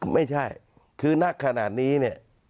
ไม่ใช่คือนักขนาดนี้เนี่ย